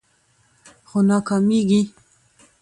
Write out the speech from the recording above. خو ناکامیږي